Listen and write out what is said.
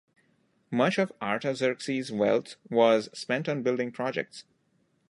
Much of Artaxerxes' wealth was spent on building projects.